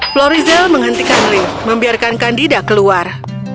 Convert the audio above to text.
florizel menghentikan lift membiarkan kandida keluar